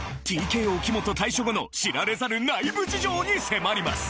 ＴＫＯ木本退所後の知られざる内部事情に迫ります